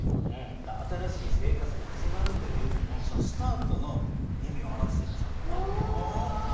だから新しい生活が始まるというそのスタートの意味を表してるんちゃうかなと思ってね。